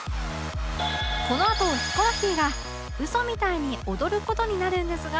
このあとヒコロヒーがウソみたいに踊る事になるんですが